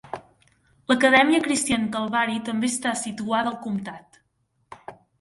L'Acadèmia Cristiana Calvary també està situada al comptat.